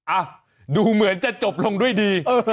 อ่ะดูเหมือนจะจบลงด้วยดี